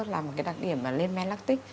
là một cái đặc điểm lên men lactic